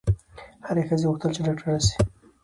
هري ښځي غوښتل چي ډاکټره سي